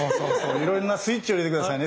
いろんなスイッチを入れて下さいね。